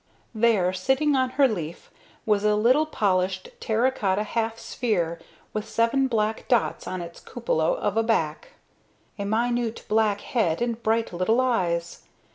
There sitting on her leaf was a little polished terra cotta half sphere with seven black dots on its cupola of a back, a minute black head and bright little eyes.